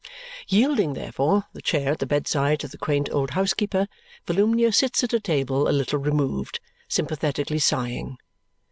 Yielding, therefore, the chair at the bedside to the quaint old housekeeper, Volumnia sits at a table a little removed, sympathetically sighing.